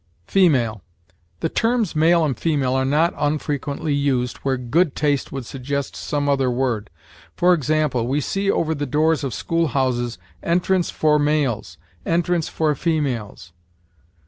FEMALE. The terms male and female are not unfrequently used where good taste would suggest some other word. For example, we see over the doors of school houses, "Entrance for males," "Entrance for females."